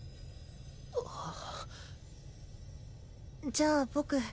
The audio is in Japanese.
じゃあ僕